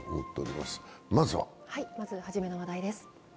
まず初めの話題です。